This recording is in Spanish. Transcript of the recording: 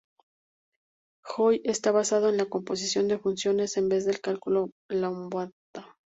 Joy está basado en la composición de funciones en vez del cálculo lambda.